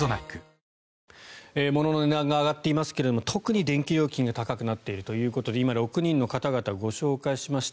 ものの値段が上がっていますが特に電気料金が高くなっているということで今、６人の方々ご紹介しました。